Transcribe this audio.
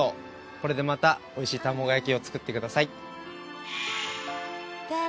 これでまたおいしい卵焼きを作ってください。